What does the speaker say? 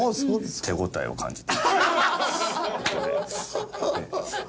手応えを感じて。